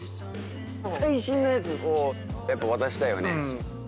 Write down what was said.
最新のやつをやっぱ渡したいよね。